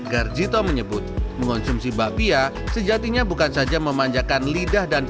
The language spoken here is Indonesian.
garjito menyebut mengonsumsi mbak pia sejatinya bukan saja memanjakan lidah